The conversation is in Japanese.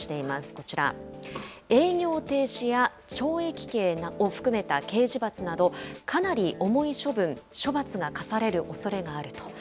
こちら、営業停止や懲役刑を含めた刑事罰など、かなり重い処分、処罰が科されるおそれがあると。